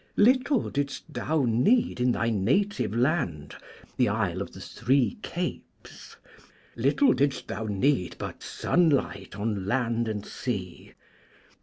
Little didst thou need, in thy native land, the isle of the three capes, little didst thou need but sunlight on land and sea.